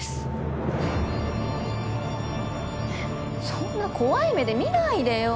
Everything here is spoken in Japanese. そんな怖い目で見ないでよ。